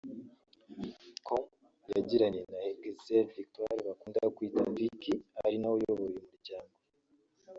com yagiranye na Hergesell Victoire bakunda kwita Vicky ari nawe uyobora uyu muryango